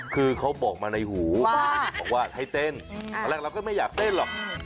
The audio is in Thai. คือเขาบอกมาในหูบอกว่าให้เต้นตอนแรกเราก็ไม่อยากเต้นหรอก